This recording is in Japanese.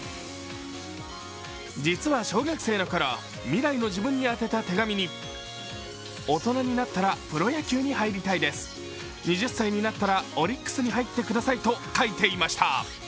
実は小学生のころ、未来の自分に宛てた手紙に大人になったらプロ野球に入りたいです、２０歳になったらオリックスに入ってくださいと書いていました。